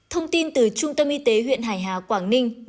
thông tin từ trung tâm y tế huyện hải hà quảng ninh